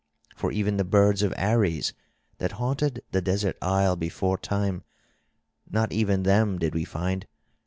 For even the birds of Ares that haunted the desert isle beforetime, not even them did we find.